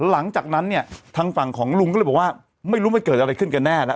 หลังจากนั้นเนี่ยทางฝั่งของลุงก็เลยบอกว่าไม่รู้มันเกิดอะไรขึ้นกันแน่แล้ว